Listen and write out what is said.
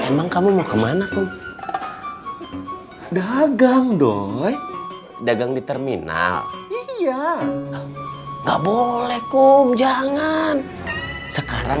hai emang kamu mau kemana kum dagang doi dagang di terminal iya nggak boleh kum jangan sekarang